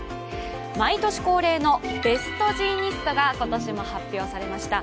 毎年恒例のベストジーニストが今年も発表されました。